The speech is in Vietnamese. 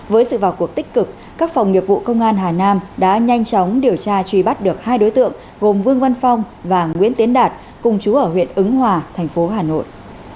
với sự vào cuộc tích cực các phòng nghiệp vụ công an hà nam đã nhanh chóng điều tra truy bắt được hai đối tượng gồm vương văn phong và nguyễn tiến đạt cùng chú ở huyện ứng hòa thành phố hà nội